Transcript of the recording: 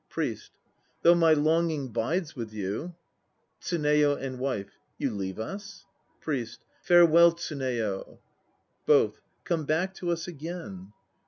PRIEST. Though my longing bides with you TSUNEYO and WIFE. You leave us? PRIEST. Farewell, Tsuneyo! BOTH. Come back to us again.